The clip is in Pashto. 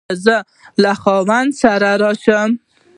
ایا زه له خاوند سره راشم؟